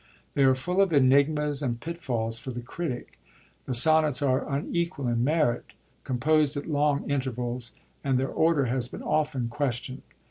They are full of enigmas and pitfalls for the critic ; the Sonnets are unequal in merit, composed at long intervals, and their order has been often questiond.